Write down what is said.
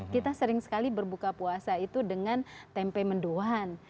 kita sering sekali berbuka puasa itu dengan tempe mendoan